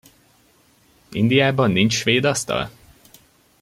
Indiában nincs svédasztal?